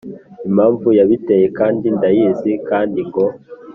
impamvu yabiteye kandi ndayizi kandi ngo